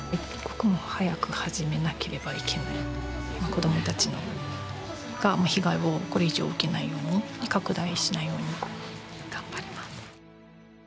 子どもたちが被害をこれ以上受けないように拡大しないように頑張ります。